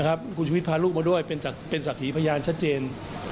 คุณชุวิตพาลูกมาด้วยเป็นศักดิ์พยานชัดเจน